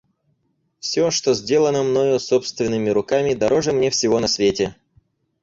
Всё, что сделано мною собственными руками, дороже мне всего на свете.